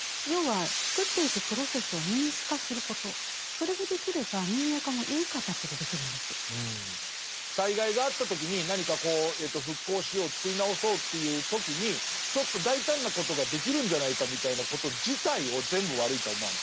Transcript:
それから進めていく時に民営化するにしても要は作っていく災害があった時に何かこう復興しよう作り直そうという時にちょっと大胆なことができるんじゃないかみたいなこと自体を全部悪いとは思わない。